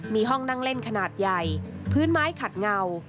มีห้องนั่งเล่นขนาดใหญ่พื้นไม้ขัดเงา